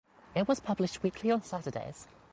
It was published weekly on Saturdays.